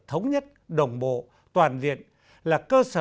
thống nhất đồng bộ toàn diện là cơ sở xã hội